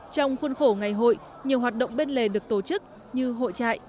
trong khuôn khổ ngày hội nhiều hoạt động bên lề được tổ chức như hội trại